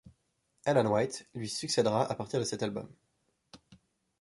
Alan White lui succèdera à partir de cet album.